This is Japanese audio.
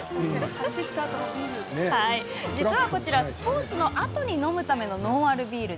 実はこちら、スポーツのあとに飲むためのノンアルビール。